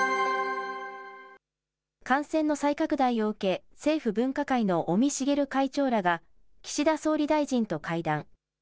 感染の再拡大を受け、政府分科会の尾身茂会長らが、岸田総理大臣と会談。